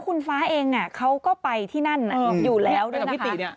คุณฟ้าเองอะเขาก็ไปที่นั่นอยู่แล้วนะคะที่เนี่ยอะ